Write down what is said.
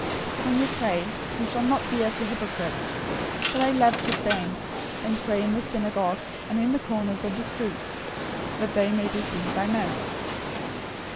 006:005 "When you pray, you shall not be as the hypocrites, for they love to stand and pray in the synagogues and in the corners of the streets, that they may be seen by men.